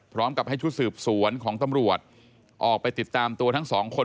พร้อมกับให้ชุดสืบสวนของตำรวจออกไปติดตามตัวทั้งสองคน